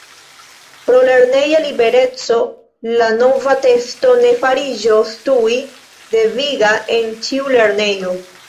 Pro lerneja libereco la nova testo ne fariĝos tuj deviga en ĉiu lernejo.